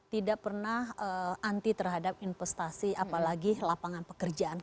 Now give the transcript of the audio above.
tidak pernah anti terhadap investasi apalagi lapangan pekerjaan